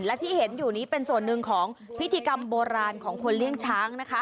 และที่เห็นอยู่นี้เป็นส่วนหนึ่งของพิธีกรรมโบราณของคนเลี้ยงช้างนะคะ